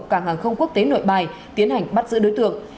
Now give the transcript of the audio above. cảng hàng không quốc tế nội bài tiến hành bắt giữ đối tượng